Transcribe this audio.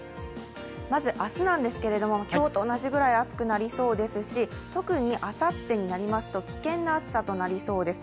まず明日ですが、今日と同じぐらい暑くなりそうですし、特にあさってになりますと危険な暑さとなりそうです。